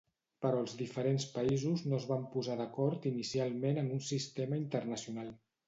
Però els diferents països no es van posar d"acord inicialment en un sistema internacional.